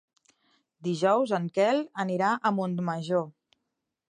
Dijous en Quel anirà a Montmajor.